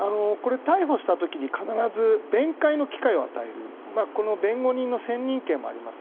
逮捕したときに必ず弁解の機会を与える弁護人の選任権もあります。